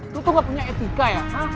itu tuh gak punya etika ya